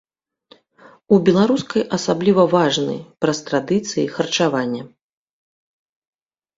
У беларускай асабліва важны, праз традыцыі харчавання.